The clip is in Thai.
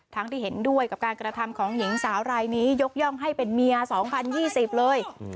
ทั้งที่เห็นด้วยกับการกระทำของหญิงสาวรายนี้ยกย่องให้เป็นเมียสองพันยี่สิบเลย